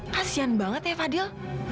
kasian banget ya fadil